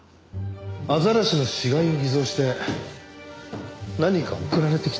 アザラシの死骸を偽装して何か送られてきたって事ですか？